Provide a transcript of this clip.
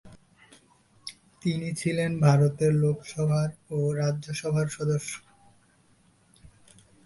তিনি ছিলেন ভারতের লোকসভার ও রাজ্যসভার সদস্য।